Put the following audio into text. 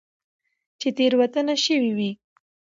چې تيروتنه شوي وي